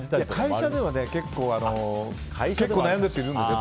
会社では結構悩む人いるんですよ。